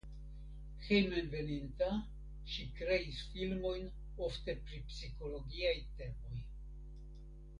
Hejmenveninta ŝi kreis filmojn ofte pri psikologiaj temoj.